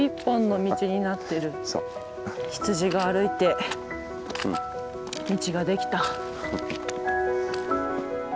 羊が歩いて道ができた。